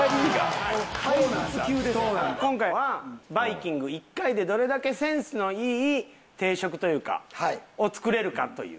今回はバイキング１回でどれだけセンスのいい定食というかを作れるかという。